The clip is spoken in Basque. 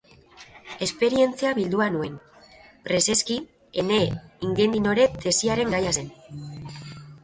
Esperientzia bildua nuen, preseski ene ingenidore tesiaren gaia zen.